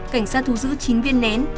cảnh sát thu giữ chín viên nén